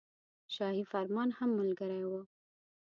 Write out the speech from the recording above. شاهي فرمان هم ملګری وو.